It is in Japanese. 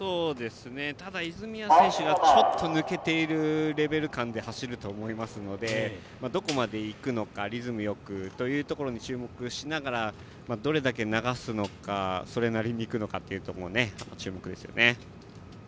ただ、泉谷選手がちょっと抜けているレベル感で走ると思いますのでどこまで行くのかリズムよくというところに注目しながら、どれだけ流すのかそれなりに行くのかに注目です。